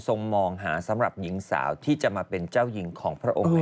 มองหาสำหรับหญิงสาวที่จะมาเป็นเจ้าหญิงของพระองค์